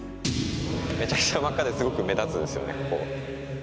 めちゃくちゃ真っ赤ですごく目立つんですよね、ここ。